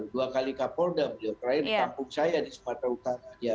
dua kali kapolda beliau terakhir di kampung saya di sumatera utara